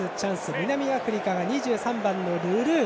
南アフリカが２３番のルルー。